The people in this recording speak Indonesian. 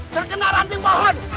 terkena ranting pohon